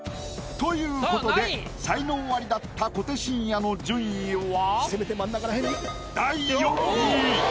ということで才能アリだった小手伸也の順位は第４位。